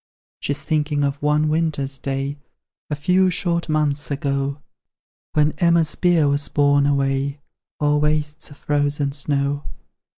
She's thinking of one winter's day, A few short months ago, Then Emma's bier was borne away O'er wastes of frozen snow.